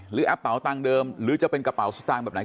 แอปเป๋ตังค์เดิมหรือจะเป็นกระเป๋าสตางค์แบบไหน